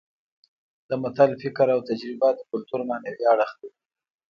د متل فکر او تجربه د کولتور معنوي اړخ دی